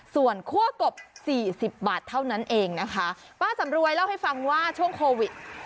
ส่วนคั่วกบสี่สิบบาทเท่านั้นเองนะคะป้าสำรวยเล่าให้ฟังว่าช่วงโควิด